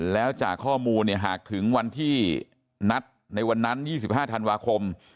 แล้วจากข้อมูลหากถึงวันที่นัดในวันนั้น๒๕ธันวาคม